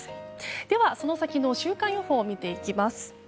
では、その先の週間予報を見ていきます。